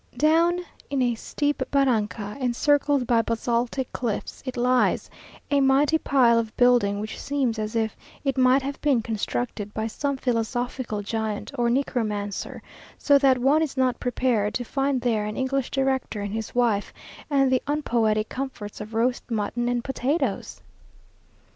Down in a steep barranca, encircled by basaltic cliffs, it lies; a mighty pile of building, which seems as if it might have been constructed by some philosophical giant or necromancer; so that one is not prepared to find there an English director and his wife, and the unpoetic comforts of roast mutton and potatoes!